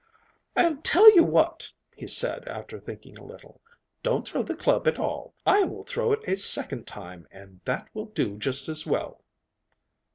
'I'll tell you what,' he said, after thinking a little. 'Don't throw the club at all. I will throw it a second time, and that will do just as well.